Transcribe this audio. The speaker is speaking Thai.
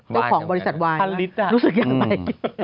เจ้าของบริษัทวายรู้สึกอยากไป